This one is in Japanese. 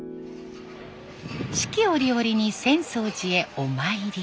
四季折々に浅草寺へお参り。